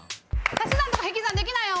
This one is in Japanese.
足し算とか引き算できないよ。